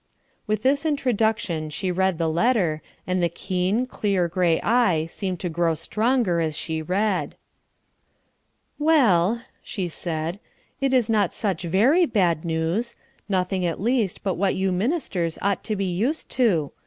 With this introduction she read the letter, and the keen, clear gray eye seemed to grow stronger as she read. "Well," she said, "it is not such very bad news; nothing, at least, but what you ministers ought to be used to.